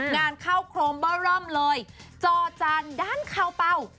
งานเข้าโครมเบอร์เริ่มเลยจอจานด้านเข้าเป้า